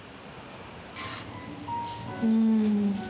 うん。